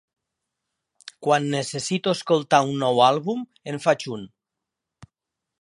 Quan necessito escoltar un nou àlbum, en faig un.